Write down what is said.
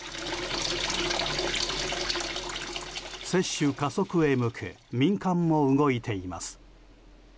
接種加速へ向け民間も動いています。